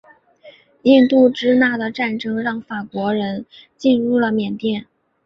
印度支那的战争让法国人进入了缅甸。